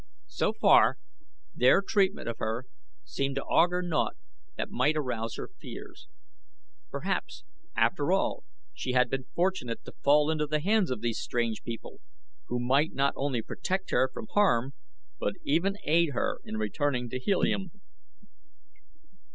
So far their treatment of her seemed to augur naught that might arouse her fears. Perhaps, after all, she had been fortunate to fall into the hands of these strange people, who might not only protect her from harm, but even aid her in returning to Helium.